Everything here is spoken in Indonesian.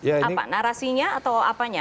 apa narasinya atau apanya